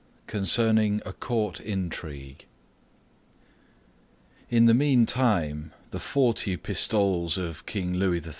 CONCERNING A COURT INTRIGUE In the meantime, the forty pistoles of King Louis XIII.